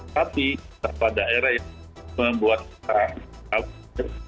tapi kita pada daerah yang membuat keadaan